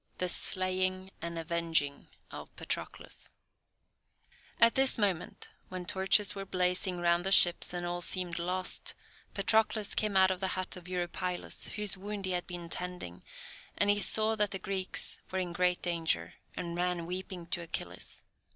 THE SLAYING AND AVENGING OF PATROCLUS At this moment, when torches were blazing round the ships, and all seemed lost, Patroclus came out of the hut of Eurypylus, whose wound he had been tending, and he saw that the Greeks were in great danger, and ran weeping to Achilles.